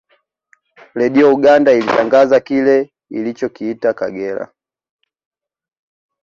Redio Uganda ilitangaza kile ilichokiita Kagera